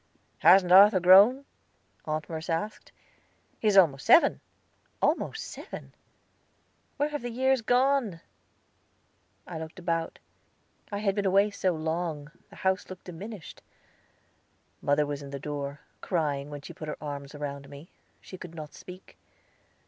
"Hasn't Arthur grown?" Aunt Merce asked. "He is almost seven." "Almost seven? Where have the years gone?" I looked about. I had been away so long, the house looked diminished. Mother was in the door, crying when she put her arms round me; she could not speak.